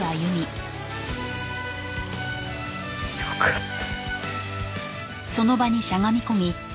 よかった。